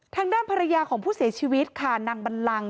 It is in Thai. ทางด้านภรรยาของผู้เสียชีวิตค่ะนางบันลัง